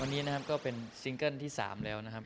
วันนี้ก็เป็นซิงเกิลที่สามแล้วนะครับ